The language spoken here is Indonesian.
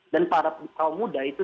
dan para kaum muda itu